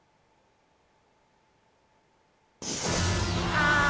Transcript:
あ。